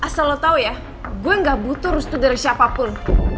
asal lo tau ya gue gak butuh restu dari siapapun